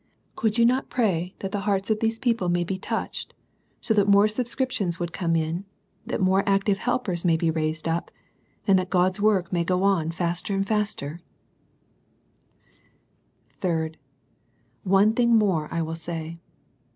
Could you not pray that the hearts of these people may be touched, so that more subscriptions may come in, that more active helpers may be raised up, and that God's work may go on faslet an^ l a&x&x"^ LITTLE THINGS. lOS 3rd. One thing more I will say.